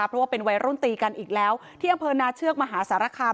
เพราะว่าเป็นวัยรุ่นตีกันอีกแล้วที่อำเภอนาเชือกมหาสารคาม